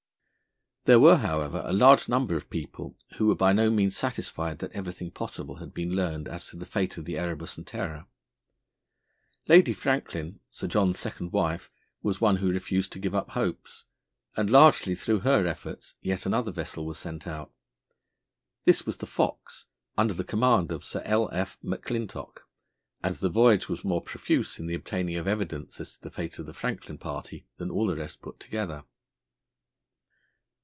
There were, however, a large number of people who were by no means satisfied that everything possible had been learned as to the fate of the Erebus and Terror. Lady Franklin, Sir John's second wife, was one who refused to give up hopes, and, largely through her efforts, yet another vessel was sent out. This was the Fox, under the command of Sir L. F. McClintock, and the voyage was more profuse in the obtaining of evidence as to the fate of the Franklin party than all the rest put together.